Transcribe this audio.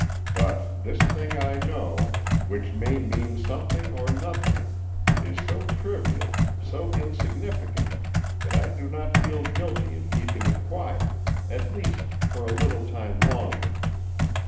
But this thing I know, which may mean something or nothing, is so trivial, so insignificant that I do not feel guilty in keeping it quiet, at least for a little time longer.